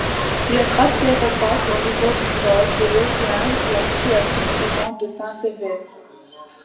Le tracé repasse au niveau du sol pour rejoindre la station suivante de Saint-Sever.